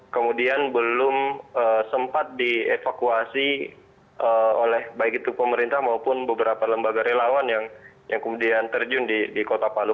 kemudian belum sempat dievakuasi oleh baik itu pemerintah maupun beberapa lembaga relawan yang kemudian terjun di kota palu